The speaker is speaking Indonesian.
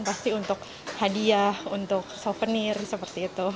pasti untuk hadiah untuk souvenir seperti itu